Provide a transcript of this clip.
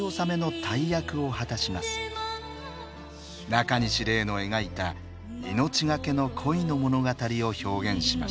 なかにし礼の描いた命懸けの恋の物語を表現しました。